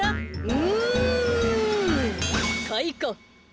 うんかいか。